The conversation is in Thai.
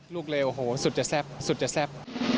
ลูกเลวโอ้โหสุดจะแซ่บสุดจะแซ่บ